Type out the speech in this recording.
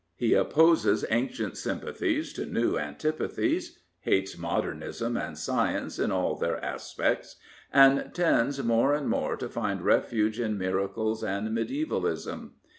He opposes ancient sympathies to new antipathies, hates modernism and science in all their aspects, and tends more and more to find refuge in miracles and mediaevalism.